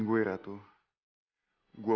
kamu sekarang hati hati kok tuh bagamcha